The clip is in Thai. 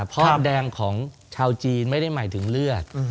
เพราะแดงของชาวจีนไม่ได้หมายถึงเลือด